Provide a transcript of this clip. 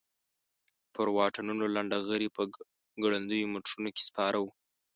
پر واټونو لنډه غري په ګړندیو موټرونو کې سپاره وو.